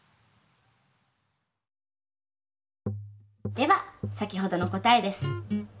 では先ほどの答えです。